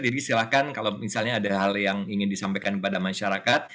jadi silakan kalau misalnya ada hal yang ingin disampaikan kepada masyarakat